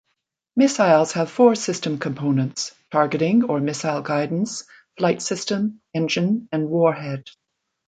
Missiles have four system components: targeting or missile guidance, flight system, engine, and warhead.